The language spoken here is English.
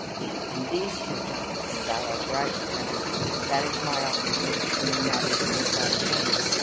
"Indeed," said Jonathan, "thou art right, friend. That is my occupation, and that is whence I came."